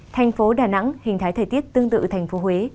thành phố đà nẵng hình thái thời tiết tương tự thành phố huế